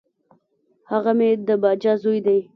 هغه مي د باجه زوی دی .